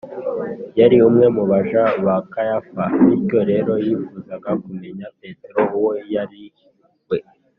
yari umwe mu baja ba kayafa, bityo rero yifuzaga kumenya petero uwo yari we